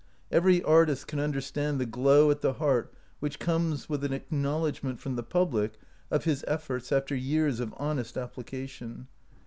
Every artist can understand the glow at the heart which comes with an acknowledgment from the public of his efforts after years of honest application.